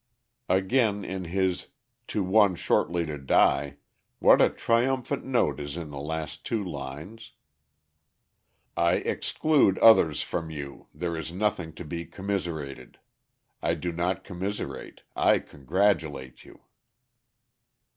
Again, in his To One Shortly to Die, what a triumphant note is in the last two lines: "I exclude others from you, there is nothing to be commiserated, I do not commiserate, I congratulate you."